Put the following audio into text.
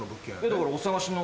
だからお探しの。